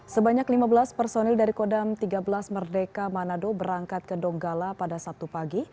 sebanyak lima belas personil dari kodam tiga belas merdeka manado berangkat ke donggala pada sabtu pagi